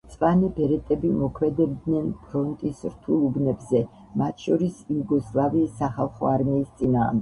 მწვანე ბერეტები მოქმედებდნენ ფრონტის რთულ უბნებზე, მათ შორის იუგოსლავიის სახალხო არმიის წინააღმდეგ.